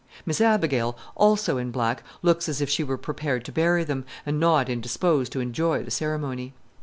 Miss Abigail, also in black, looks as if she were prepared to bury them, and not indisposed to enjoy the ceremony.